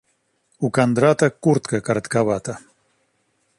У Кондрата куртка коротковата.